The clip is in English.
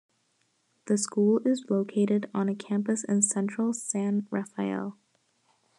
The school is located on a campus in central San Rafael.